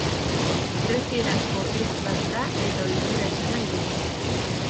Grezierazko hitz bat da eta ohitura esan nahi du.